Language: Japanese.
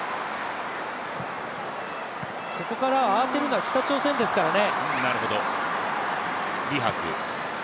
ここからは慌てるのは北朝鮮ですからね。